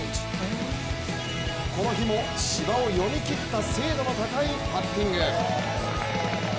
この日も芝を読みきった精度の高いパッティング。